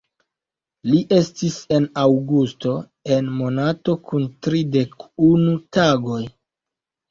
Ni estis en Aŭgusto, en monato kun tridek-unu tagoj.